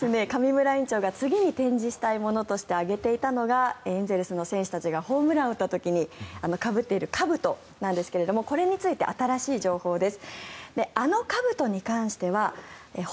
先ほど上村院長が次に展示したいものとして挙げていたのがエンゼルスの選手がホームラン打った時にかぶるかぶとなんですがこれについて新しい情報です。